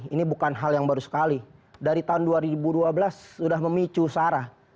ini bukan hal yang baru sekali dari tahun dua ribu dua belas sudah memicu sarah